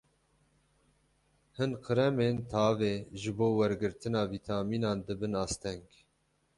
Hin kremên tavê ji bo wergirtina vîtamînan dibin asteng.